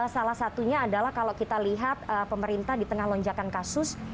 salah satunya adalah kalau kita lihat pemerintah di tengah lonjakan kasus